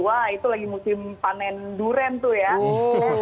wah itu lagi musim panen durian tuh ya